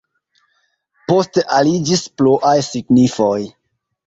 Poste aliĝis pluaj signifoj.